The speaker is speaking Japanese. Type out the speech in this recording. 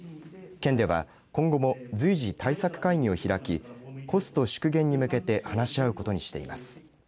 県では今後も随時、対策会議を開きコスト縮減に向けて話し合うことにしています。